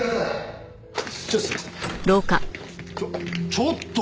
ちょっと！